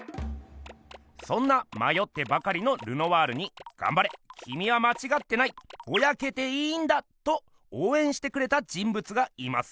そんなまよってばかりのルノワールに「がんばれきみはまちがってないボヤけていいんだ」とおうえんしてくれた人物がいます。